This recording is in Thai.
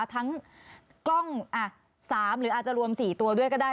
ทั้งกล้องอ่ะสามหรืออาจจะรวมสี่ตัวด้วยก็ได้